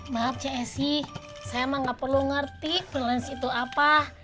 maaf cik esy saya emang nggak perlu ngerti freelance itu apa